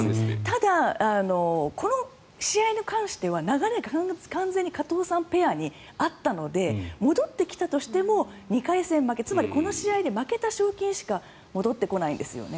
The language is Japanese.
ただ、この試合に関しては流れが完全に加藤さんペアにあったので戻ってきたとしても２回戦負けつまり、この試合で負けた賞金しか戻ってこないんですよね。